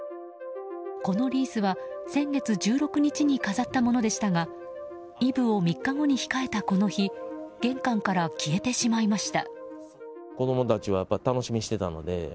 このリースは先月１６日に飾ったものでしたがイブを３日後に控えた、この日玄関から消えてしまいました。